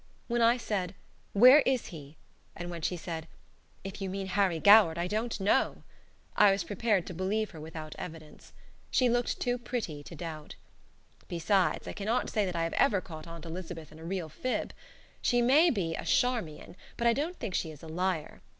When I said, "Where is he?" and when she said, "If you mean Harry Goward I don't know," I was prepared to believe her without evidence. She looked too pretty to doubt. Besides, I cannot say that I have ever caught Aunt Elizabeth in a real fib. She may be a "charmian," but I don't think she is a liar.